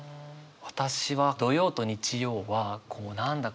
私は土曜と日曜はこう何だ？